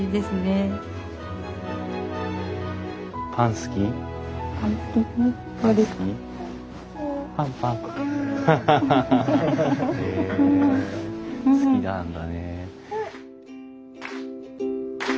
へえ好きなんだね。